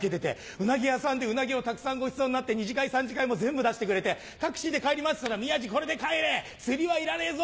うなぎ屋さんでうなぎをたくさんごちそうになって２次会３次会も全部出してくれて「タクシーで帰ります」って言ったら「宮治これで帰れ釣りはいらねえぞ」